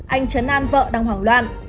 anh chấn an vợ đang hoảng loạn